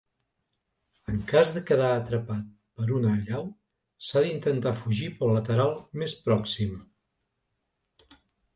En cas de quedar atrapat per una allau, s'ha d'intentar fugir pel lateral més pròxim.